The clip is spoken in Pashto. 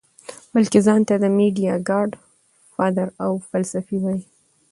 بلکه ځان ته د ميډيا ګاډ فادر او فلسفي وائي -